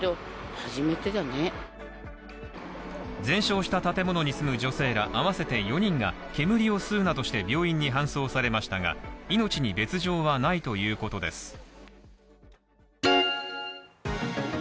全焼した建物に住む女性ら合わせて４人が煙を吸うなどして病院に搬送されましたが命に別状はないということです。